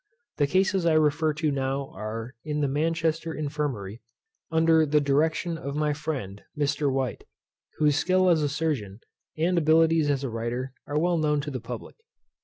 The cases I refer to are now in the Manchester infirmary, under the direction of my friend Mr. White, whose skill as a surgeon, and abilities as a writer are well known to the public.